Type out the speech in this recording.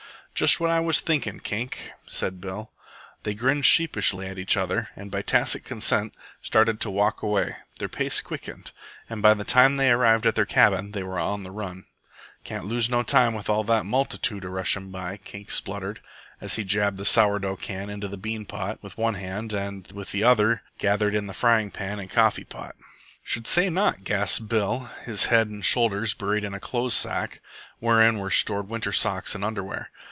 "Just what I was thinken', Kink," said Bill. They grinned sheepishly at each other, and by tacit consent started to walk away. Their pace quickened, and by the time they arrived at their cabin they were on the run. "Can't lose no time with all that multitude a rushin' by," Kink spluttered, as he jabbed the sour dough can into the beanpot with one hand and with the other gathered in the frying pan and coffee pot. "Should say not," gasped Bill, his head and shoulders buried in a clothes sack wherein were stored winter socks and underwear.